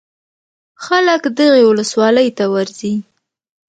خلک دغې ولسوالۍ ته ورځي.